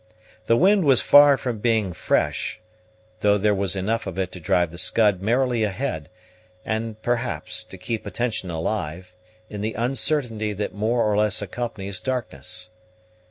The wind was far from being fresh, though there was enough of it to drive the Scud merrily ahead, and, perhaps, to keep attention alive, in the uncertainty that more or less accompanies darkness.